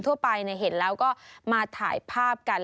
ทั่วไปเห็นแล้วก็มาถ่ายภาพกัน